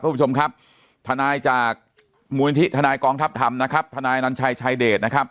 คุณผู้ชมครับทนายจากมูลนิธิทนายกองทัพธรรมนะครับทนายนัญชัยชายเดชนะครับ